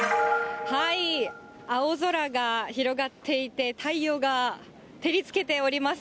青空が広がっていて、太陽が照りつけております。